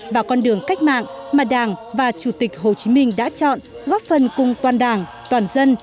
vào con đường cách mạng mà đảng và chủ tịch hồ chí minh đã chọn góp phần cùng toàn đảng toàn dân